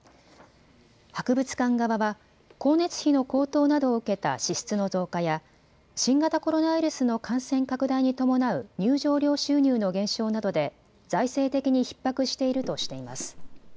博物館側は光熱費の高騰などを受けた支出の増加や新型コロナウイルスの感染拡大に伴う入場料収入の減少などで財政的にひっ迫しているとしています。